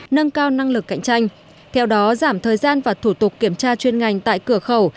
nâng cao năng lực cạnh tranh theo đó giảm thời gian và thủ tục kiểm tra chuyên ngành tại cửa khẩu